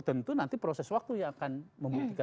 tentu nanti proses waktu yang akan membuktikan